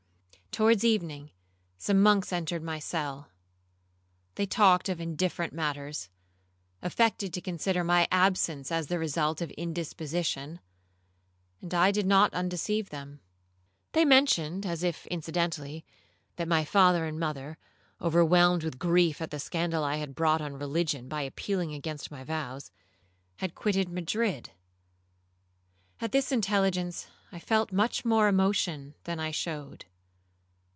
Towards evening some monks entered my cell; they talked of indifferent matters,—affected to consider my absence as the result of indisposition, and I did not undeceive them. They mentioned, as if incidentally, that my father and mother, overwhelmed with grief at the scandal I had brought on religion by appealing against my vows, had quitted Madrid. At this intelligence I felt much more emotion than I showed.